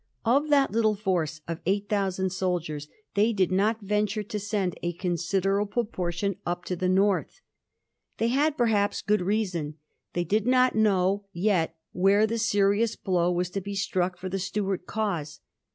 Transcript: Of that little force of eight thousand soldiers they did not venture to send a considerable proportion up to the North. They had, perhaps, good reason. They did not know yet where the serious blow was to be struck for the Stuart cause.